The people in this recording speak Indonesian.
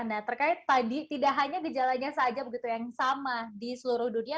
nah terkait tadi tidak hanya gejalanya saja begitu yang sama di seluruh dunia